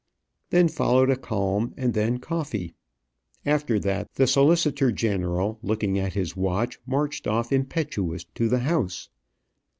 Then followed a calm, and then coffee. After that, the solicitor general, looking at his watch, marched off impetuous to the House.